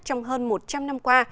trong hơn một trăm linh năm qua